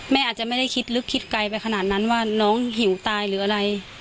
อาจจะไม่ได้คิดลึกคิดไกลไปขนาดนั้นว่าน้องหิวตายหรืออะไร